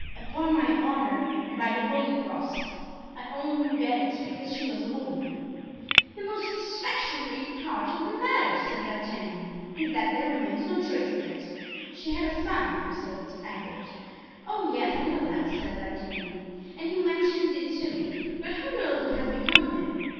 Upon my honor and by the holy cross; I only regret it because she was a woman." "The most satisfactory part of the matter," said D'Artagnan, "is that there remains no trace of it." "She had a son," observed Athos. "Oh! yes, I know that," said D'Artagnan, "and you mentioned it to me; but who knows what has become of him?